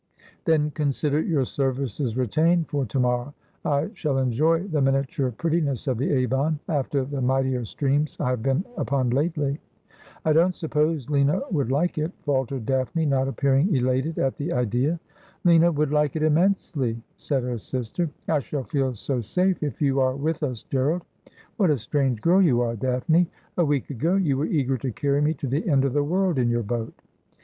' Then consider your services retained for to morrow. I shall enjoy the miniature prettiness of the Avon, after the mightier streams I have been upon lately.' 'I don't suppose Lina would like it,' faltered Daphne, not appearing elated at the idea. ' Lina would like it immensely,' said her sister. ' I shall feel so safe if you are with us, Gerald. What a strange girl you are, Daphne ! A week ago you were eager to carry me to the end of the world in your boat.'